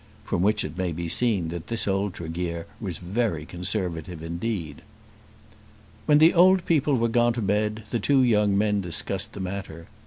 From which it may be seen that this old Tregear was very conservative indeed. When the old people were gone to bed the two young men discussed the matter.